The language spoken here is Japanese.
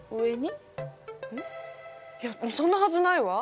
いやそんなハズないわ！